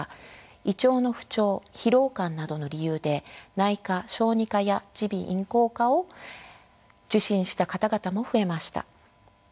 胃腸の不調疲労感などの理由で内科小児科や耳鼻咽喉科を受診した方々も増えました。